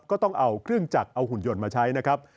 ก็ต้องเอาเครื่องจักรเอาหุ่นยนต์มาใช้นะครับ